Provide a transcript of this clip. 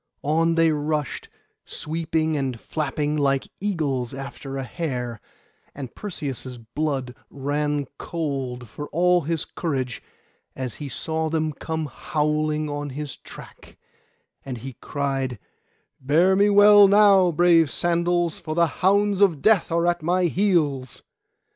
On they rushed, sweeping and flapping, like eagles after a hare; and Perseus' blood ran cold, for all his courage, as he saw them come howling on his track; and he cried, 'Bear me well now, brave sandals, for the hounds of Death are at my heels!